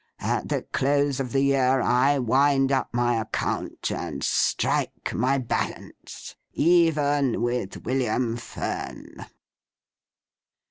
At the close of the year, I wind up my account and strike my balance, even with William Fern!